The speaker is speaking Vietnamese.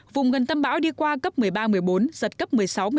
vùng gần tâm bão đi qua cấp một mươi ba một mươi bốn giật cấp một mươi sáu một mươi hai